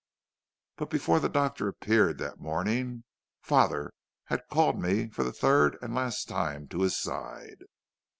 "But before the doctor appeared that morning father had called me for the third and last time to his side.